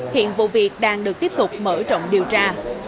hiện vụ việc đang được tiếp tục mở rộng điều tra